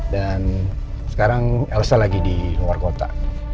dan sekarang elsa lagi di luar kota